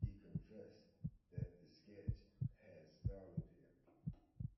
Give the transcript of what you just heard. He confessed that the sketch had startled him.